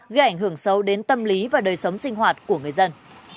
gây ảnh hưởng sâu đến tâm lý và đời sống sinh hoạt của người dân